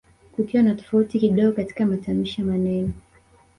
kukiwa na tofauti kidogo katika matamshi ya maneno